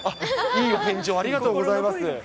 いいお返事をありがとうございます。